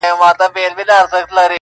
• بدل کړيدی.